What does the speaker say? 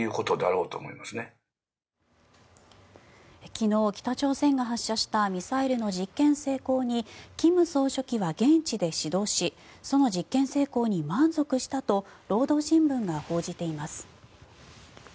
昨日、北朝鮮が発射したミサイルの実験成功に金総書記は現地で指導しその実験成功に満足したと労働新聞が報じています。